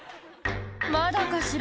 「まだかしら？